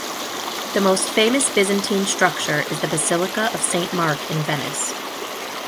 The most famous Byzantine structure is the Basilica of Saint Mark in Venice.